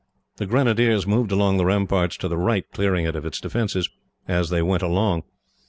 The grenadiers moved along the ramparts to the right, clearing it of its defences as they went along.